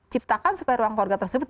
ciptakan supaya ruang keluarga tersebut